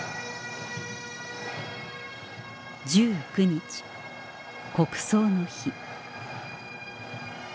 １９日国葬の日